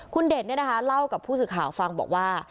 คุณเด่นเล่ากับผู้สื่อข่าวฟังบอกว่า